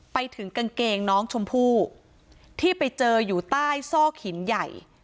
ไปถึงกางเกงน้องชมพู่ที่ไปเจออยู่ใต้ซอกหินใหญ่